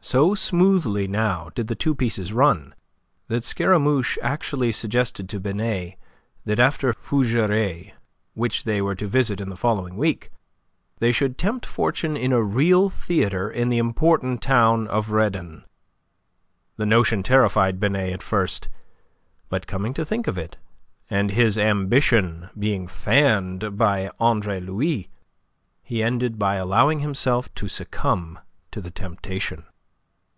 So smoothly now did the two pieces run that Scaramouche actually suggested to Binet that after Fougeray, which they were to visit in the following week, they should tempt fortune in a real theatre in the important town of Redon. The notion terrified Binet at first, but coming to think of it, and his ambition being fanned by Andre Louis, he ended by allowing himself to succumb to the temptation.